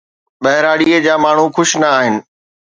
ٻهراڙيءَ جا ماڻهو خوش نه آهن.